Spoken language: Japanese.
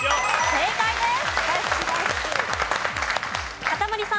正解です！